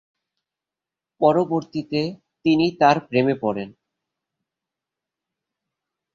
পরবর্তিতে তিনি তার প্রেমে পড়েন।